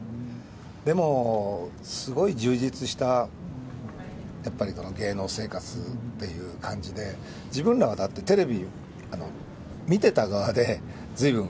でも、すごい充実した、やっぱり芸能生活っていう感じで、自分らはだって、テレビ見てた側で、ずいぶん、